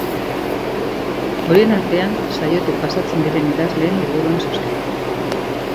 Horien artean, saiotik pasatzen diren idazleen liburuen zozketa.